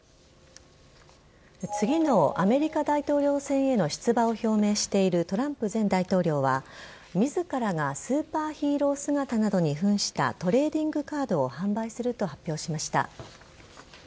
次のアメリカ大統領選への出馬を表明しているトランプ前大統領は自らがスーパーヒーロー姿などに扮したトレーディングカードを販売すると発表しました。